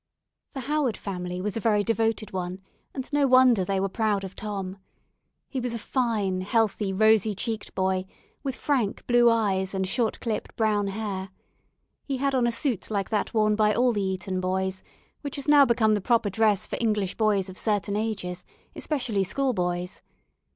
The Howard family was a very devoted one, and no wonder they were proud of Tom. He was a fine, healthy, rosy cheeked boy with frank, blue eyes and short clipped brown hair. He had on a suit like that worn by all the Eton boys, which has now become the proper dress for English boys of certain ages, especially schoolboys.